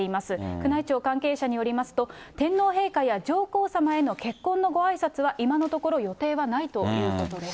宮内庁関係者によりますと、天皇陛下や上皇さまへの結婚のごあいさつは、今のところ予定はないということです。